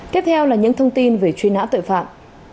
tiếp theo là những thông tin về truy nã tội phạm